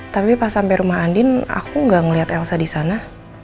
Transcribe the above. tapi pas sampai rumah andin aku gak ngeliat elsa di sana